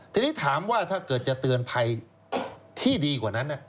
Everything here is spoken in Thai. ทีนี้ถามว่าถ้าเกิดจะเตือนภัยที่ดีกว่านั้น